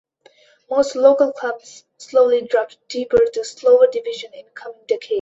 Most local clubs slowly dropped deeper to lower division in coming decades.